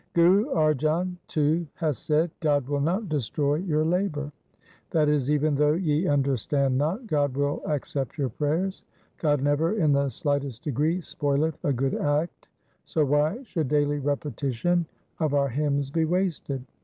1 ' Guru Arjan too hath said :—" God will not destroy your labour." 2 ' That is, even though ye understand not, God will accept your prayers. God never in the slightest degree spoileth a good act, so why should daily repetition of our hymns be wasted?'